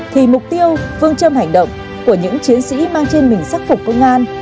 thì mục tiêu phương châm hành động của những chiến sĩ mang trên mình sắc phục công an